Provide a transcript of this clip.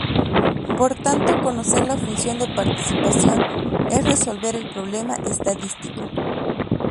Por tanto conocer la función de partición es resolver el problema estadístico.